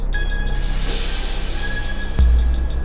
nanti kita ke sana